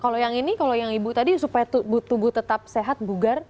kalau yang ini kalau yang ibu tadi supaya tubuh tetap sehat bugar